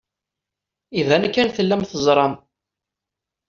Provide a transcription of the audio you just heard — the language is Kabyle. Iban kan tellam teẓram.